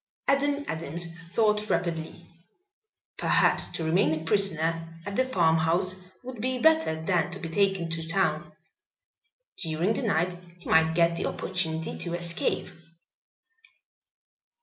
Adam Adams thought rapidly. Perhaps to remain a prisoner at the farmhouse would be better than to be taken to town. During the night he might get the opportunity to escape.